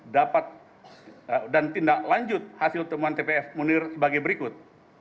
dan tindak lanjut hasil temuan tpf munir sebagai berikut